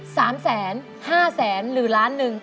๓แสน๕แสนหรือล้านหนึ่ง